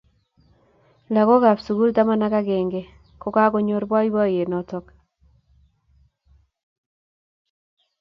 Lagookab sugul taman ak agenge kokanyor boiboiyet notok